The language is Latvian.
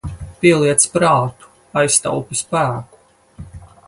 Pieliec prātu, aiztaupi spēku.